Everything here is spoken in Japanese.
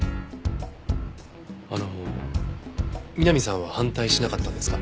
あの美波さんは反対しなかったんですか？